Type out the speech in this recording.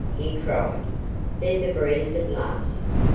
he cried, "there's a breeze at last!"